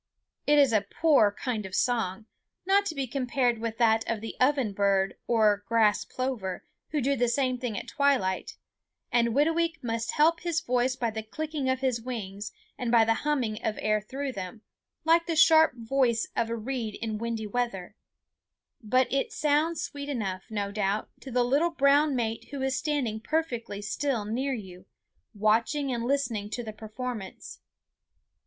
It is a poor kind of song, not to be compared with that of the oven bird or grass plover, who do the same thing at twilight, and Whitooweek must help his voice by the clicking of his wings and by the humming of air through them, like the sharp voice of a reed in windy weather; but it sounds sweet enough, no doubt, to the little brown mate who is standing perfectly still near you, watching and listening to the performance.